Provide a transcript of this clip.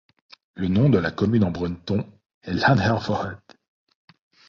Le nom de la commune en breton est Lanhervoed.